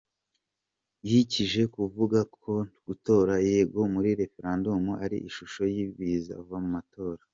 Yikije ku kuvuga ko gutora yego muri referendumu ari ishusho y’ibizava mu matora.